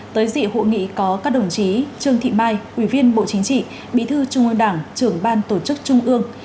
tới dự hội nghị có các đồng chí trương thị mai ủy viên bộ chính trị bí thư trung ương đảng trưởng ban tổ chức trung ương